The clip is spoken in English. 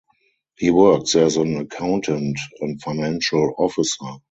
He works as an accountant and financial officer.